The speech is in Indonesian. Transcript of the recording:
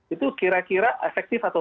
itu kira kira efektif atau